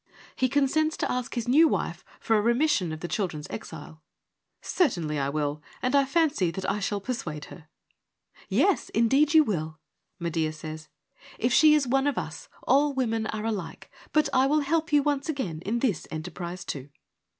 He consents to ask his new wife for a remission of the children's exile. ' Certainly I will, and I fancy that I shall persuade her.' ' Yes, indeed, you will,' Medea says, ' if she is one of us : all women are alike. But I will help you once again in this enterprise, too.'